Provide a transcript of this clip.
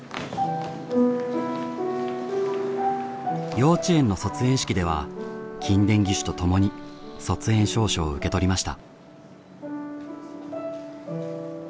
幼稚園の卒園式では筋電義手と共に卒園証書を受け取りました。